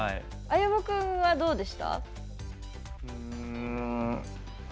あゆむ君はどうでした？